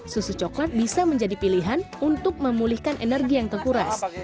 susu coklat bisa menjadi pilihan untuk memulihkan energi yang terkuras